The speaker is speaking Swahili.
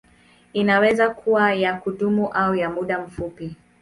Inaweza kuwa ya kudumu au ya muda mfupi.